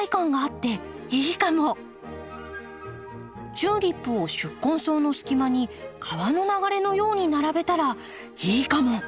チューリップを宿根草の隙間に川の流れのように並べたらいいかも！